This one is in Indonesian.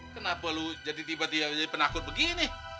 kenapa lu jadi tiba tiba jadi penakut begini nih